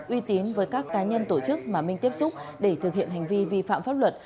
uy tín với các cá nhân tổ chức mà minh tiếp xúc để thực hiện hành vi vi phạm pháp luật